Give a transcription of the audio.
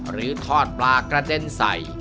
หรือทอดปลากระเด็นใส่